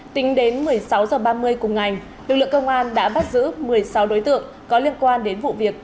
tính đến một mươi sáu h ba mươi cùng ngày lực lượng công an đã bắt giữ một mươi sáu đối tượng có liên quan đến vụ việc